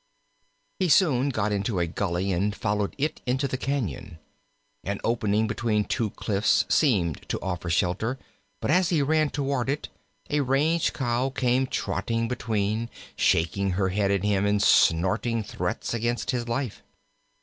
He soon got into a gully and followed it into the cañon. An opening between two cliffs seemed to offer shelter, but as he ran toward it a Range cow came trotting between, shaking her head at him and snorting threats against his life.